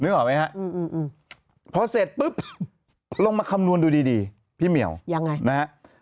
ออกไหมฮะพอเสร็จปุ๊บลงมาคำนวณดูดีพี่เหมียวยังไงนะฮะ